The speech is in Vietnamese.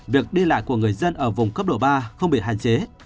việc đi lại của người dân ở vùng cấp độ ba không bị hạn chế